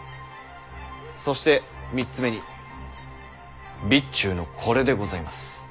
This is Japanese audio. そして３つ目に備中のこれでございます。